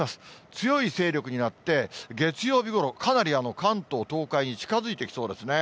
強い勢力になって、月曜日ごろ、かなり関東、東海に近づいてきそうですね。